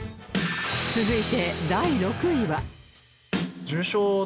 続いて第６位は